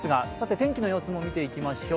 天気の様子も見ていきましょう。